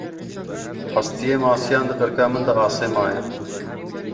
Hestiyê masiyan di qirika min de asê maye.